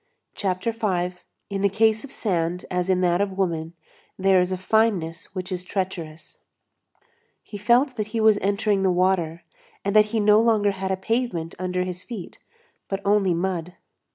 CHAPTER V—IN THE CASE OF SAND AS IN THAT OF WOMAN, THERE IS A FINENESS WHICH IS TREACHEROUS He felt that he was entering the water, and that he no longer had a pavement under his feet, but only mud.